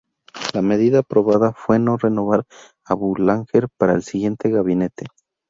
La medida aprobada fue no renovar a Boulanger para el siguiente gabinete.